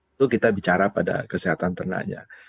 itu kita bicara pada kesehatan ternaknya